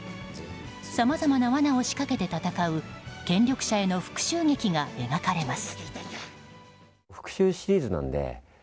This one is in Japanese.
さまざまなわなを仕掛けて戦う権力者への復讐劇が描かれます。